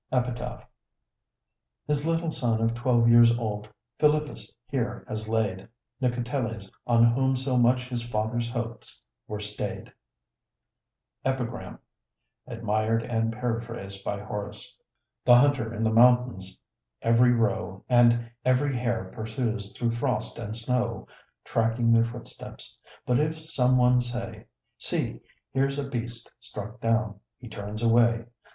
EPITAPH His little son of twelve years old Philippus here has laid, Nicoteles, on whom so much his father's hopes were stayed EPIGRAM (Admired and Paraphrased by Horace) The hunter in the mountains every roe And every hare pursues through frost and snow, Tracking their footsteps. But if some one say, "See, here's a beast struck down," he turns away.